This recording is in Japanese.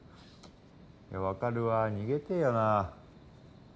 分かるわ逃げてえよな。